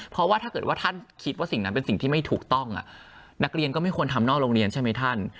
เพราะว่าถ้าเกิดว่าท่านคิดว่าสิ่งนั้นเป็นสิ่งที่ไม่ถูกต้องนักเรียนก็ไม่ควรทำนอกโรงเรียนใช่ไหมท่าน